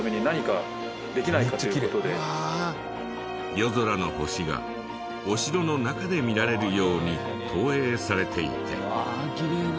夜空の星がお城の中で見られるように投影されていて。